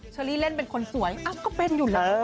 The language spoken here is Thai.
เซาลี่เล่นเป็นคนสวยอะก็เป็นอยู่มั้ย